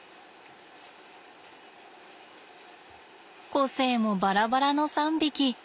個性もバラバラの３匹。